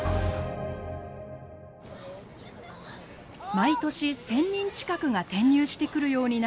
毎年１，０００人近くが転入してくるようになった境町。